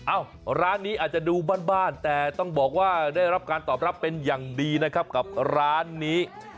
ร้านนี้อาจจะดูบ้านแต่ต้องบอกว่าได้รับการตอบรับเป็นอย่างดีนะครับกับร้านนี้